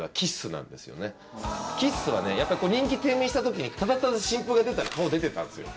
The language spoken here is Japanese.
ＫＩＳＳは人気低迷した時にただただ新曲が出たら顔出てたんですよ。